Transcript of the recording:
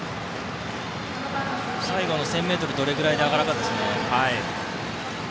最後の１０００ｍどれぐらいで上がるかですね。